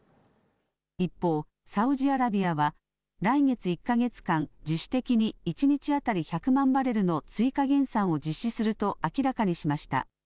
一方、サウジアラビアは来月１か月間自主的に一日当たり１００万バレルの追加減産を実施すると明らかにしました。